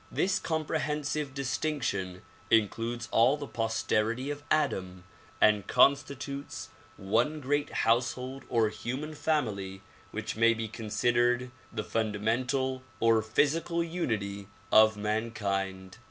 This comprehensive distinction includes all the posterity of Adam and constitutes one great household or human family which may be considered the fundamental or physical unity of mankind.